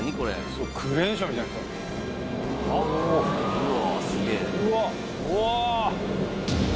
うわ。